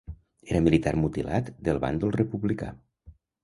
Era militar mutilat del bàndol republicà.